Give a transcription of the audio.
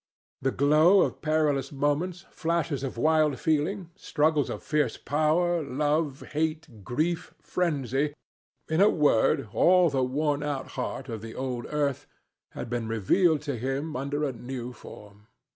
The glow of perilous moments, flashes of wild feeling, struggles of fierce power, love, hate, grief, frenzy—in a word, all the worn out heart of the old earth—had been revealed to him under a new form.